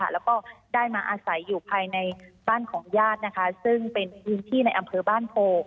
แล้วก็ได้มาอาศัยอยู่ภายในบ้านของญาติซึ่งเป็นพื้นที่ในอำเภอบ้านโพ